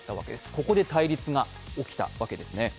ここで対立が起きたわけですね。